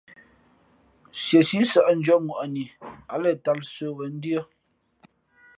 Nsiesi sαʼ ndʉ̄ᾱŋwαni ǎ lαtāl sə̌wen ndʉ́ά.